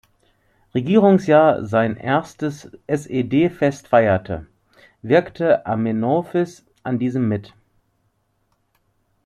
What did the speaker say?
Regierungsjahr sein erstes Sed-Fest feierte, wirkte Amenophis an diesem mit.